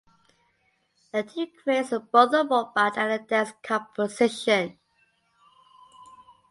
A team creates both a robot and a dance composition.